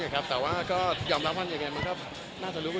จริงน่ะตอนนี้คุณติดเรื่องอะไรอยู่